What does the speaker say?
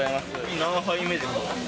何杯目ですか？